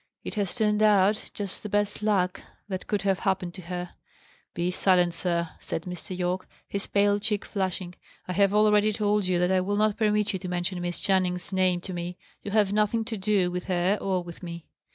It has turned out just the best luck that could have happened to her." "Be silent, sir," said Mr. Yorke, his pale cheek flushing. "I have already told you that I will not permit you to mention Miss Channing's name to me. You have nothing to do with her or with me."